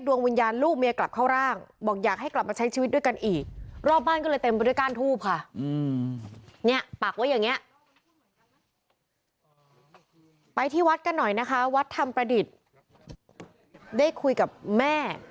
ไปที่วัดกันหน่อยนะคะวัดทำประดิษฐ์ได้คุยกับแม่